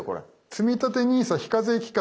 つみたてＮＩＳＡ非課税期間